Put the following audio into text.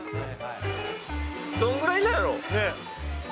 どんぐらいなんやろ。